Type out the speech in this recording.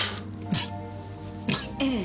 ええ。